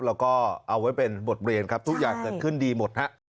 แล้วก็เอาไว้เป็นบทเรียนครับทุกอย่างเกิดขึ้นดีหมดฮะ